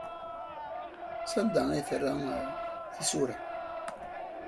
Sanda ay terra tisura?